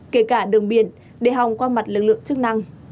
kể cả đường biển để hòng qua mặt lực lượng chức năng